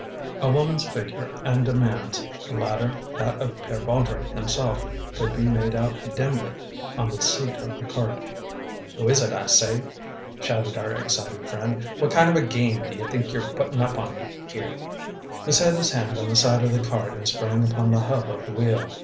A woman's figure and a man's (the latter that of Pere Baudry himself) could be made out dimly on the seat of the cart. "Who is it, I say?" shouted our excited friend. "What kind of a game d'ye think y're puttin' up on me here?" He set his hand on the side of the cart and sprang upon the hub of the wheel.